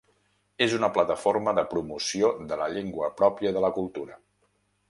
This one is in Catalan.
És una plataforma de promoció de la llengua pròpia i de la cultura.